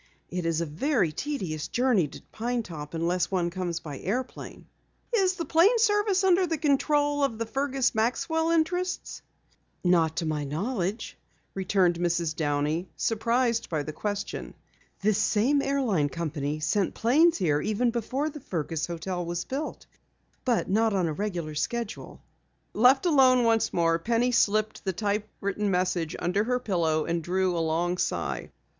"It is a very tedious journey to Pine Top unless one comes by airplane." "Is the plane service under the control of the Fergus Maxwell interests?" "Not to my knowledge," returned Mrs. Downey, surprised by the question. "This same airline company sent planes here even before the Fergus hotel was built, but not on a regular schedule." Left alone once more, Penny slipped the typewritten message under her pillow and drew a long sigh.